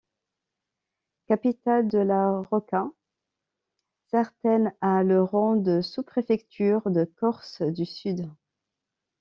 Capitale de la Rocca, Sartène a le rang de sous-préfecture de Corse-du-Sud.